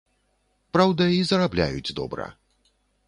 Праўда, і зарабляюць добра.